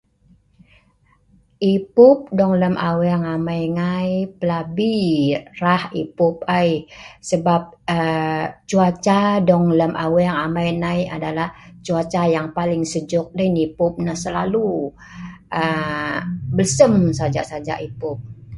Epeup dong lem aweng amai ngai plabi raa’ epeup ai sebab aa…cuaca dong lem aweng amai ai adalah cuaca yang paling sejuk dei nah epeup selalu aa… belseem sajak-sajak epeup